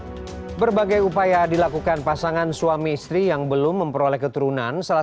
hai berbagai upaya dilakukan pasangan suami istri yang belum memperoleh keturunan salah